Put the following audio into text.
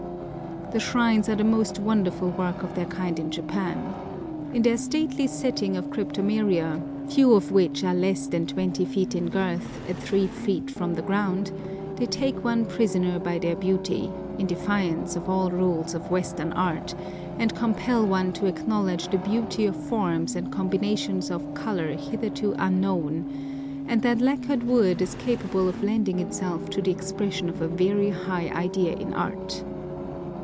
The shrines are the most wonderful work of their kind in Japan. In their stately setting of cryptomeria, few of which are less than 20 feet in girth at 3 feet from the ground, they take one prisoner by their beauty, in defiance of all rules of western art, and compel one to acknowledge the beauty of forms and combinations of colour hitherto unknown, and that lacquered wood is capable of lending itself to the expression of a very high idea in art.